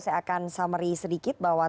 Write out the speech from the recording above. saya akan summary sedikit bahwa